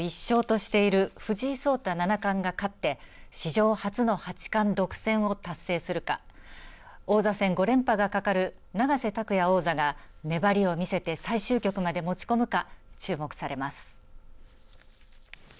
タイトル奪取まであと１勝としている藤井聡太七冠が勝って史上初の八冠独占を達成するか王座戦５連覇がかかる永瀬拓矢王座が粘りを見せて最終局まで持ち込むか注目されます。